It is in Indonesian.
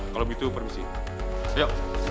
kalau begitu permisi ayo